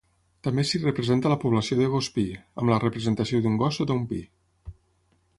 També s'hi representa la població de Gospí, amb la representació d'un gos sota un pi.